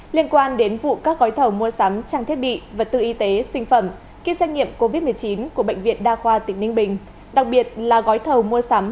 liên quan đến vụ các gói thầu mua sắm trang thiết bị vật tư y tế sinh phẩm kýt xét nghiệm covid một mươi chín của bệnh viện đa khoa tp đặc biệt là gói thầu mua sắm